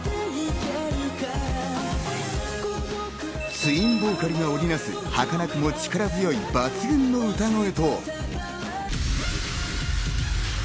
ツインボーカルがおりなす儚くも力強い抜群の歌声と。